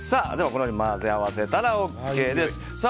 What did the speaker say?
このように混ぜ合わせたらＯＫです。